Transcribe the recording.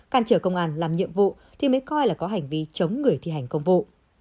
cản trở công an làm nhiệm vụ thì mới coi là có hành vi chống người thi hành công vụ